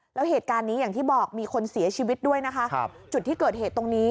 แล้วเหตุการณ์นี้อย่างที่บอกมีคนเสียชีวิตด้วยนะคะจุดที่เกิดเหตุตรงนี้